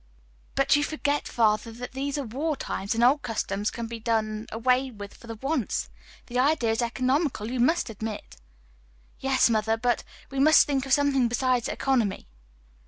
"But you forget, father, these are war times, and old customs can be done away with for the once. The idea is economical, you must admit." "Yes, mother, but we must think of something besides economy."